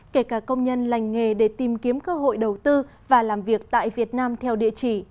kể cả công nhân lành nghề để tìm kiếm cơ hội đầu tư và làm việc tại việt nam theo địa chỉ